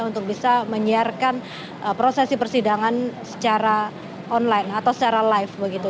untuk bisa menyiarkan prosesi persidangan secara online atau secara live begitu